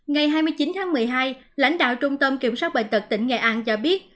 ngày hai mươi chín tháng một mươi hai lãnh đạo trung tâm kiểm soát bệnh tật tỉnh nghệ an cho biết